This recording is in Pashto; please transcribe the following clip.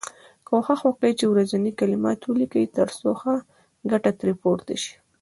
کوښښ وکړی چې ورځنۍ کلمې ولیکی تر څو ښه ګټه ترې پورته شی.